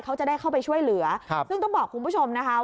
เขาจะได้เข้าไปช่วยเหลือซึ่งต้องบอกคุณผู้ชมนะคะ